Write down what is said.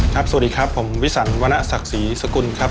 สวัสดีครับผมวิสันวรรณศักดิ์ศรีสกุลครับ